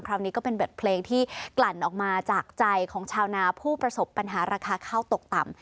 ก็เป็นบทเพลงที่กลั่นออกมาจากใจของชาวนาผู้ประสบปัญหาราคาข้าวตกต่ำ